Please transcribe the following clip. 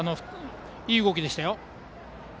いい動きでしたよ。